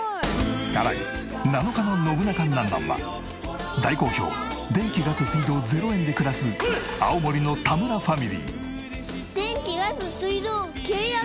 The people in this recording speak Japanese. さらに７日の『ノブナカなんなん？』は大好評電気ガス水道０円で暮らす青森の田村ファミリー。